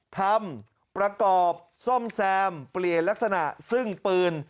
ทำประกอบซ่อมแซมเปลี่ยนลักษณะซึ่งปืน